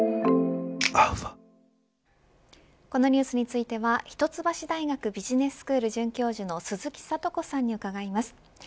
このニュースについては一橋大学ビジネススクール准教授の鈴木智子さんに伺います。